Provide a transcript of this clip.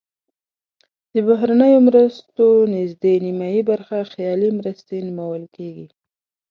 د بهرنیو مرستو نزدې نیمایي برخه خیالي مرستې نومول کیږي.